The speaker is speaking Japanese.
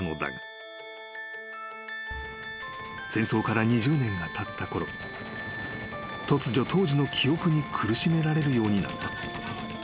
［戦争から２０年がたったころ突如当時の記憶に苦しめられるようになった］